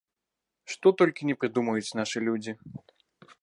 Што толькі не прыдумаюць нашы людзі.